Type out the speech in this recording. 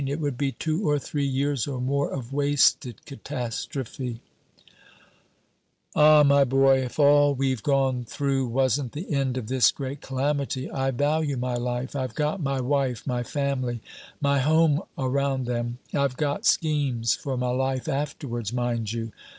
It would be two or three years or more of wasted catastrophe." "Ah, my boy, if all we've gone through wasn't the end of this great calamity! I value my life; I've got my wife, my family, my home around them; I've got schemes for my life afterwards, mind you.